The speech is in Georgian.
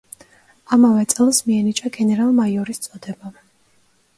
ამავე წელს მიენიჭა გენერალ-მაიორის წოდება.